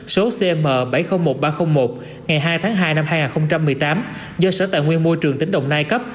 số cm bảy trăm linh một nghìn ba trăm linh một ngày hai tháng hai năm hai nghìn một mươi tám do sở tài nguyên môi trường tỉnh đồng nai cấp